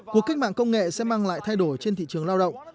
cuộc cách mạng công nghệ sẽ mang lại thay đổi trên thị trường lao động